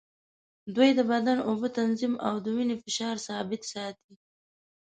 دوی د بدن اوبه تنظیم او د وینې فشار ثابت ساتي.